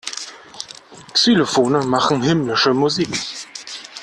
Xylophone machen himmlische Musik.